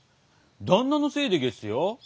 旦那のせいでげすよ。